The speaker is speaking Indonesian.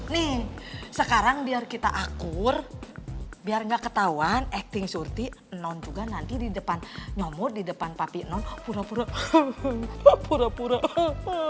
nih sekarang biar kita akur biar gak ketauan acting surti non juga nanti di depan nyomot di depan papi non pura pura he he he pura pura he he